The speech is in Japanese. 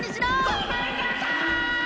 ごめんなさい！